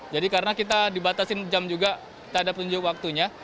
jadi karena kita dibatasin jam juga kita ada penunjuk waktunya